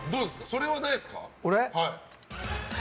それはないですか？